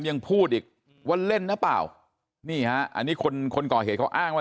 ยังพูดอีกว่าเล่นหรือเปล่านี่ฮะอันนี้คนคนก่อเหตุเขาอ้างว่า